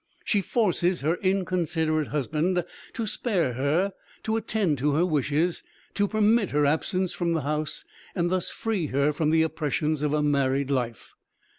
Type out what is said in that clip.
She forces her inconsiderate husband to spare her, to attend to her wishes, to permit her absence from the house and thus free her from the oppressions of her married life.